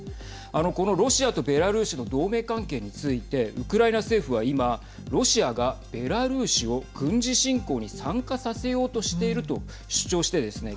このロシアとベラルーシの同盟関係についてウクライナ政府は、今ロシアがベラルーシを軍事侵攻に参加させようとしていると主張してですね